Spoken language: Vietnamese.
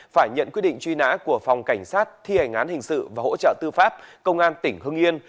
phải nhận quyết định truy nã của phòng cảnh sát thi hành án hình sự và hỗ trợ tư pháp công an tỉnh hưng yên